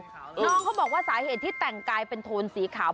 น้องเขาบอกว่าสาเหตุที่แต่งกายเป็นโทนสีขาว